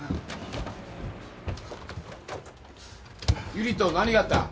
由理と何があった？